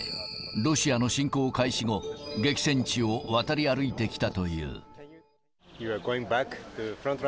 ロシアの侵攻開始後、激戦地を渡り歩いてきたという。